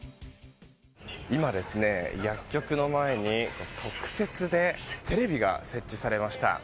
今、薬局の前に特設でテレビが設置されました。